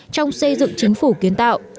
trong xây dựng chính phủ kiến tạo